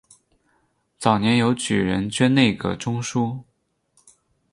早年由举人捐内阁中书。